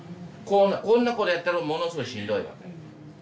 こんなことやったらものすごいしんどいわけ。